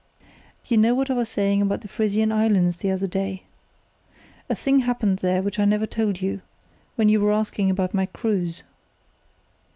"You know what I was saying about the Frisian Islands the other day? A thing happened there which I never told you, when you were asking about my cruise."